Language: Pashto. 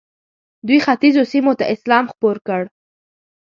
دوی ختیځو سیمو ته اسلام خپور کړ.